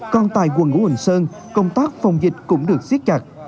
công tác phòng dịch cũng được siết chặt